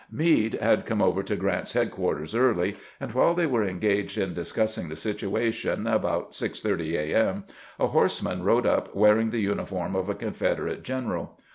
Meade had come over to Grant's headquarters early, and while they were engaged in discussing the situation, about 6 :30 A. M., a horseman rode up wearing the uni form of a Confederate general.